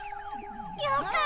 よかったち。